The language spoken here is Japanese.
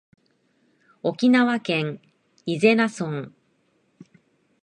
沖縄県伊是名村